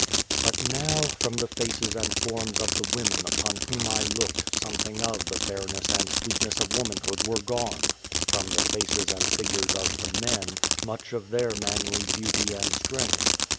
But now from the faces and forms of the women upon whom I looked something of the fairness and sweetness of womanhood were gone ; from the faces and figures of the men, much of their manly beauty and strength.